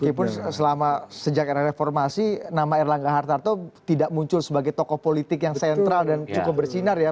meskipun sejak era reformasi nama erlangga hartarto tidak muncul sebagai tokoh politik yang sentral dan cukup bersinar ya